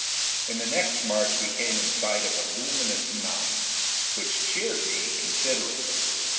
On the next march we came in sight of the luminous mountain, which cheered me considerably.